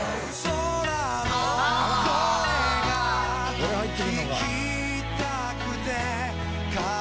これ入ってくんのか。